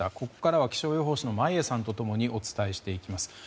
ここからは気象予報士の眞家さんと共にお伝えしていきます。